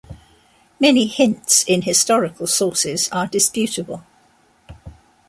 Many hints in historical sources are disputable.